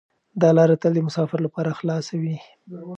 دا لاره تل د مسافرو لپاره خلاصه وي.